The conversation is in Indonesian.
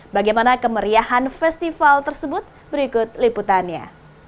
bagaimana kemeriahan festival tersebut berikut liputannya